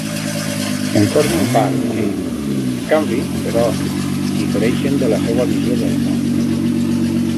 En formen part, sí; en canvi, però, difereixen de la seua visió del món.